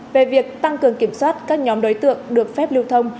về việc tăng cường kiểm soát các nhóm đối tượng được phép lưu thông